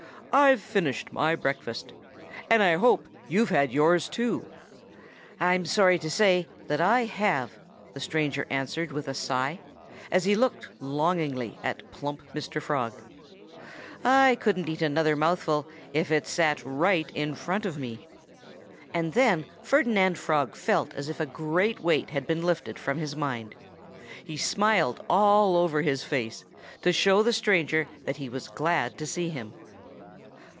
"I've finished my breakfast. And I hope you've had yours, too." [Illustration: Grand daddy Beaver Appeals to Mr. Frog] "I'm sorry to say that I have," the stranger answered with a sigh, as he looked longingly at plump Mr. Frog. "I couldn't eat another mouthful if it sat right in front of me." And then Ferdinand Frog felt as if a great weight had been lifted from his mind. He smiled all over his face, to show the stranger that he was glad to see him.